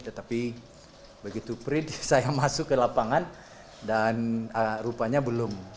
tetapi begitu prit saya masuk ke lapangan dan rupanya belum